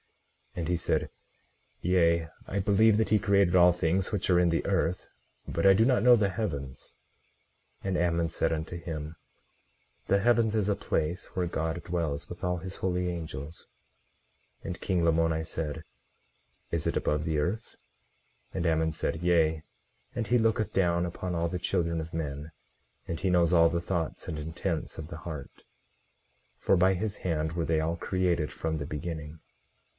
18:29 And he said: Yea, I believe that he created all things which are in the earth; but I do not know the heavens. 18:30 And Ammon said unto him: The heavens is a place where God dwells and all his holy angels. 18:31 And king Lamoni said: Is it above the earth? 18:32 And Ammon said: Yea, and he looketh down upon all the children of men; and he knows all the thoughts and intents of the heart; for by his hand were they all created from the beginning.